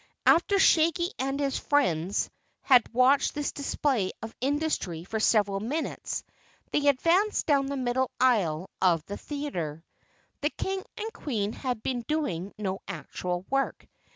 After Shaggy and his friends had watched this display of industry for several minutes, they advanced down the middle aisle of the theater. The King and Queen had been doing no actual work.